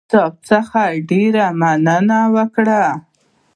ما له رییس صاحب څخه ډېره مننه وکړه.